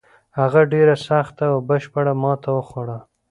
هغه ډېره سخته او بشپړه ماته وخوړه.